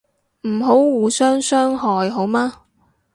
唔好互相傷害好嗎